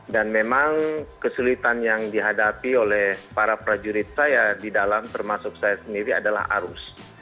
dan memang kesulitan yang dihadapi oleh para prajurit saya di dalam termasuk saya sendiri adalah arus